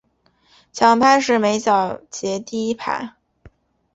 强拍是每小节第一拍。